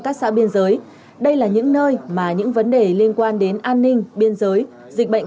các xã biên giới đây là những nơi mà những vấn đề liên quan đến an ninh biên giới dịch bệnh